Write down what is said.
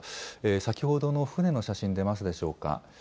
先ほどの船の写真、出ますでしょうか。